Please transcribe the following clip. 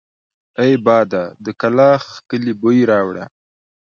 اې باده د کلاخ کلي بوی راوړه!